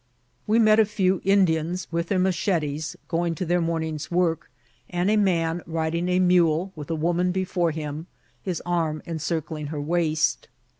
We met a few Indians, vnth their machetes, going to their morn ing's work, and a man riding a mule, with a woman before him, his arm encircling her waist.